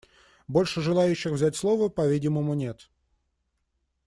Больше желающих взять слово, по-видимому, нет.